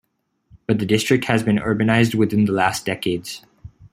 But the district has been urbanized within the last decades.